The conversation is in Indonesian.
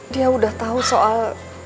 dia udah tahu soal